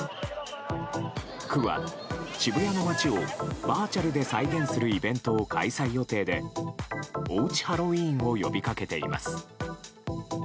区は渋谷の街をバーチャルで再現するイベントを開催予定でおうちハロウィーンを呼びかけています。